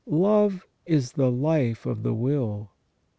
Love is the life of the will.